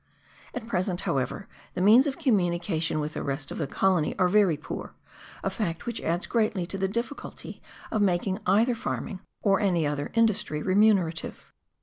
At present, however, the means of communication with the rest of the colony are very poor, a fact which adds greatly to the difficulty of making either farming or any other industry remunerative.